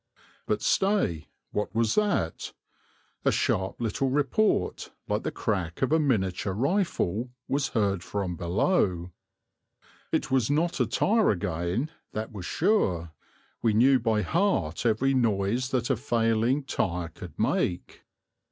But stay, what was that? A sharp little report, like the crack of a miniature rifle, was heard from below. It was not a tire again; that was sure; we knew by heart every noise that a failing tire could make.